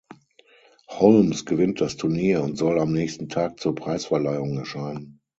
Holmes gewinnt das Turnier und soll am nächsten Tag zur Preisverleihung erscheinen.